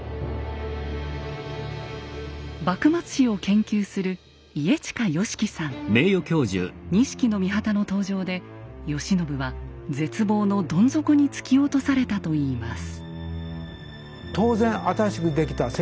幕末史を研究する錦の御旗の登場で慶喜は絶望のどん底に突き落とされたといいます。